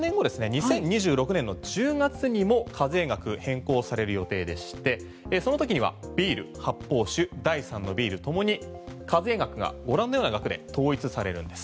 ２０２６年の１０月にも課税額変更される予定でしてそのときにはビール、発泡酒第３のビールともに課税額がご覧のような額で統一されるんです。